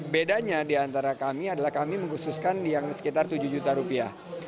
bedanya diantara kami adalah kami mengkhususkan yang sekitar tujuh juta rupiah